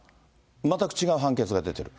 全く違う判決が出てる。